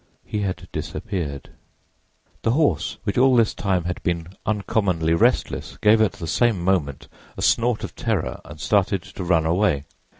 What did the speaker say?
He had disappeared. The horse, which all this time had been uncommonly restless, gave at the same moment a snort of terror and started to run away.